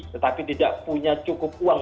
tetapi tidak punya cukup uang